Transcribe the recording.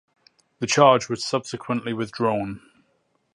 The charge was subsequently withdrawn.